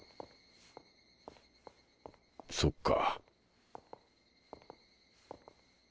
そっか。